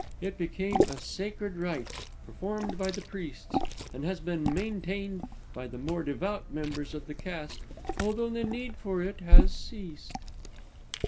It became a sacred rite, performed by the priests, and has been maintained by the more devout members of the caste, although the need for it has ceased."